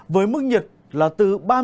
với mức nhiệt là từ ba đến ba độ